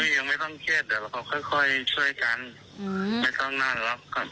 ยังไม่ต้องเชื่อเดี๋ยวเขาค่อยช่วยกันไม่ต้องนั่งแล้ว